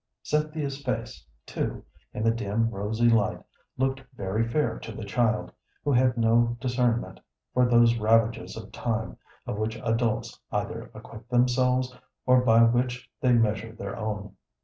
Cynthia's face, too, in the dim, rosy light, looked very fair to the child, who had no discernment for those ravages of time of which adults either acquit themselves or by which they measure their own.